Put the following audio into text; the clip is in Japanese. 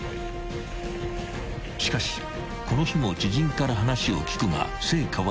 ［しかしこの日も知人から話を聞くが成果はゼロ］